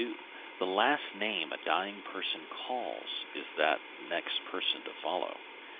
The last name a dying person calls is that of the next to follow.